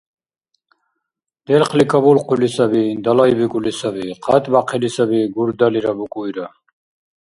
Делхъли кабулхъули саби, далайбикӀули саби. Хъатбяхъили саби гурдалира букӀуйра.